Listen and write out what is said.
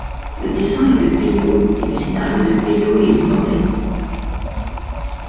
Le dessin est de Peyo et le scénario de Peyo et Yvan Delporte.